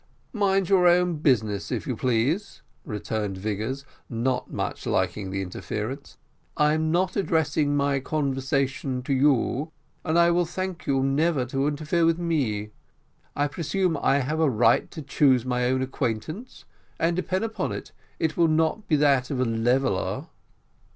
"Mind your own business, if you please," returned Vigors, not much liking the interference. "I am not addressing my conversation to you, and I will thank you never to interfere with me. I presume I have a right to choose my own acquaintance, and, depend upon it, it will not be that of a leveller."